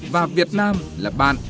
và việt nam là bạn